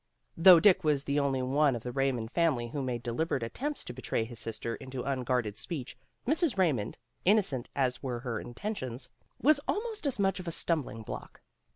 Though Dick was the only one of the Ray mond family who made deliberate attempts to betray his sister into unguarded speech, Mrs. Raymond, innocent as were her intentions, was almost as much of a stumbling block.